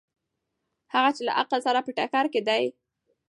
هغه چې له عقل سره په ټکر کې دي.